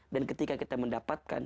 dan ketika kita mendapatkan